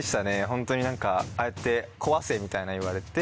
ホントにああやって「壊せ！」みたいなの言われて。